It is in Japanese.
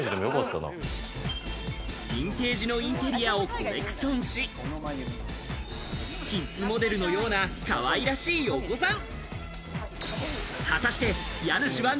ヴィンテージのインテリアをコレクションし、キッズモデルのようなかわいらしいお子さん。